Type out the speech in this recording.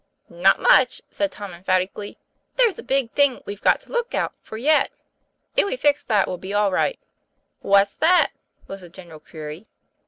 'Not much!" said Tom emphatically. 'There's a big thing we've got to look out for yet; if we fix that we'll be all right." 'What's that?" was the general query.